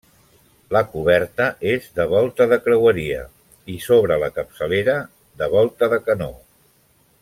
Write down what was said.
La coberta és de volta de creueria i sobre la capçalera de volta de canó.